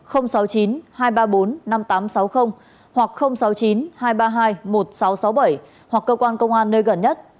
hoặc sáu mươi chín hai trăm ba mươi hai một nghìn sáu trăm sáu mươi bảy hoặc cơ quan công an nơi gần nhất